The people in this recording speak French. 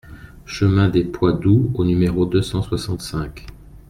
Chemin des Pois Doux au numéro deux cent soixante-cinq